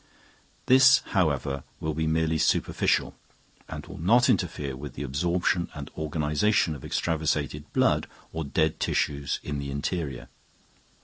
This, however, will be merely superficial, and will not interfere with the absorption and organisation of extravasated blood or dead tissues in the interior.